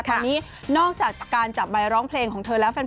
ตอนนี้นอกจากการจับใบร้องเพลงของเธอแล้วแฟน